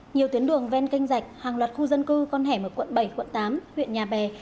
nhiều tuyến đường ven canh rạch hàng loạt khu dân cư con hẻm ở quận bảy quận tám huyện nhà bè